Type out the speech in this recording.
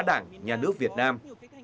đảng nhà nước việt nam